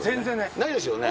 ないですよね。